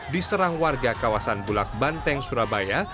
diserang warga kawasan bulak banteng surabaya